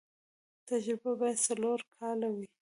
تجربه باید څلور کاله وي.